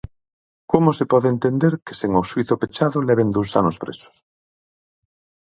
Como se pode entender que sen o xuízo pechado leven dous anos presos?